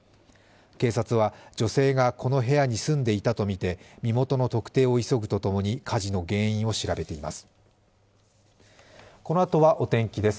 警察は、女性がこの部屋に住んでいたとみて身元の特定を急ぐとともに火事の原因を調べています。